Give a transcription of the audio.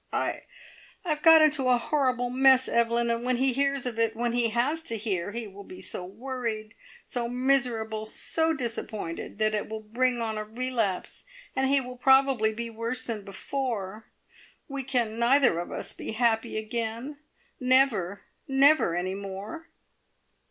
I I have got into a horrible mess, Evelyn, and when he hears of it when he has to hear, he will be so worried, so miserable, so disappointed, that it will bring on a relapse, and he will probably be worse than before. We can neither of us be happy again never, never, any more!"